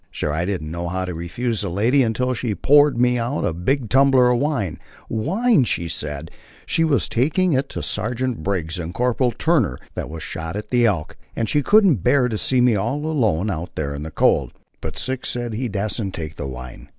"Sure I didn't know how to refuse the lady, until she poured me out a big tumbler of wine wine, she said, she was taking in to Sergeant Briggs and Corporal Turner that was shot at the Elk, and she couldn't bear to see me all alone out there in the cold." But Six said he dasn't take the wine.